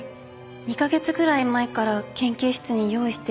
２カ月くらい前から研究室に用意してあって。